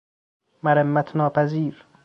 مرمت ناپذیر